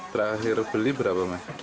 terakhir beli berapa mas